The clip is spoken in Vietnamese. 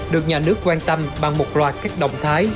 được nhà nước quan tâm bằng một loạt các động thái